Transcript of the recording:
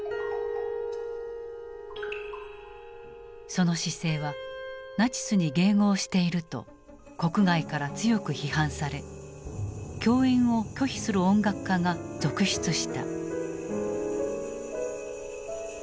その姿勢はナチスに迎合していると国外から強く批判され共演を拒否する音楽家が続出した。